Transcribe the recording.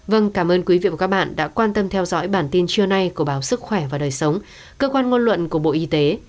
vâng cảm ơn quý vị và các bạn đã quan tâm theo dõi bản tin trưa nay của báo sức khỏe và đời sống cơ quan ngôn luận của bộ y tế